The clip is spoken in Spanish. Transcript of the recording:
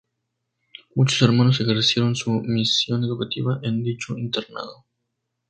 Muchos Hermanos ejercieron su misión educativa en dicho internado.